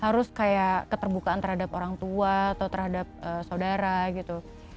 harus kayak keterbukaan terhadap orang tua atau terhadap saudara gitu